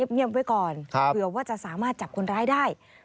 เงียบไว้ก่อนเผื่อว่าจะสามารถจับคนร้ายได้